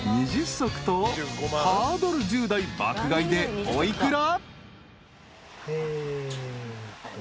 足とハードル１０台爆買いでお幾ら？］